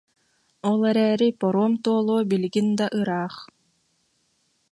Ол эрээри паром туолуо билигин да ыраах